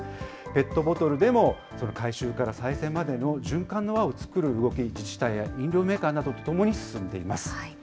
ペットボトルでも、回収から再生までの循環の輪を作る動き、自治体や飲料メーカーなどと共に進めています。